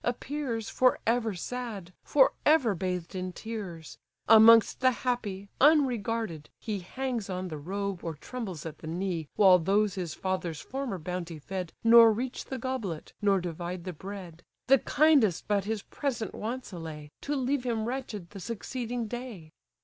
appears For ever sad, for ever bathed in tears; Amongst the happy, unregarded, he Hangs on the robe, or trembles at the knee, While those his father's former bounty fed Nor reach the goblet, nor divide the bread: The kindest but his present wants allay, To leave him wretched the succeeding day.